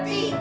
aku mau satu